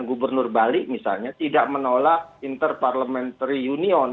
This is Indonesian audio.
gubernur bali misalnya tidak menolak inter parliamentary union